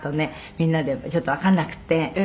みんなでちょっとわかんなくて」